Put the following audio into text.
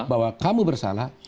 bahwa kamu bersalah